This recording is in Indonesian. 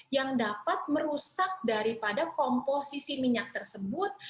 yang dapat merusak daripada komposisi minyak tersebut